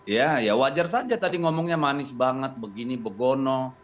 ya ya wajar saja tadi ngomongnya manis banget begini begono